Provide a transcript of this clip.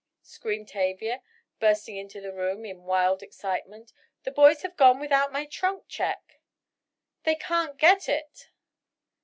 screamed Tavia, bursting into the room in wild excitement, "the boys have gone without my trunk check! They can't get it!"